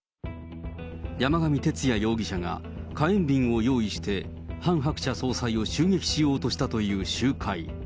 山上徹也容疑者が、火炎瓶を用意して、ハン・ハクチャ総裁を襲撃しようとしたという集会。